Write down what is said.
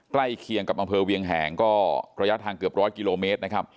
ใกล้เคียงกับอำเภอเวียงแหงก็ระยะทางเกือบร้อยกิโลเมตรนะครับ